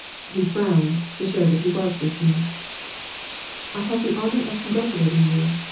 He frowned, to show that he was listening. " I have the honor of congratulating you